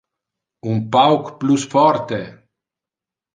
Un pauc plus forte.